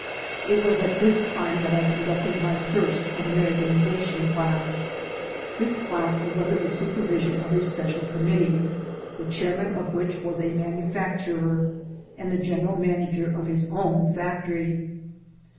It was at this time that I conducted my first Americanization class. This class was under the supervision of a special committee, the chairman of which was a manufacturer, and the general manager of his own factory.